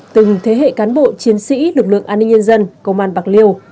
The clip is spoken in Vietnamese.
từng thế hệ cán bộ chiến sĩ lực lượng an ninh nhân dân công an bạc liêu